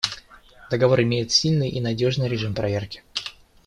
Договор имеет сильный и надежный режим проверки.